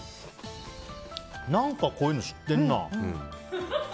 何かこういうの知ってるな？